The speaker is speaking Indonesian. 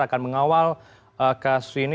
akan mengawal kasus ini